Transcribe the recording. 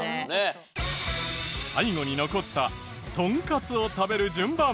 最後に残ったトンカツを食べる順番。